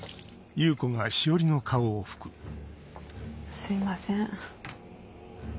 すいません。